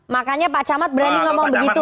makanya pak camat berani ngomong begitu